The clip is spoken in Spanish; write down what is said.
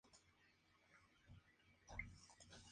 Se le permitió permanecer en sus tierras.